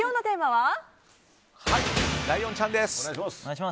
はい、ライオンちゃんです！